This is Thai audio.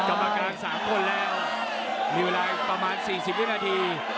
ต่อมากรางสามคนแล้วมีเวลาประมาณสี่สิบนิดนาที